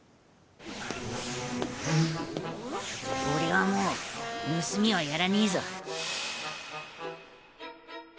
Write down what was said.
俺はもう盗みはやらねえぞ。